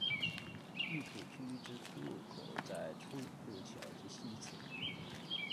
御土居之出入口在出云路桥之西侧。